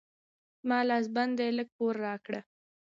زما لاس بند دی؛ لږ پور راکړه.